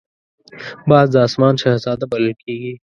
باز د آسمان شهزاده بلل کېږي